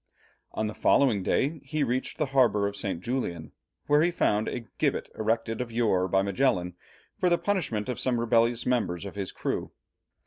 On the following day he reached the harbour of St. Julian, where he found a gibbet erected of yore by Magellan for the punishment of some rebellious members of his crew.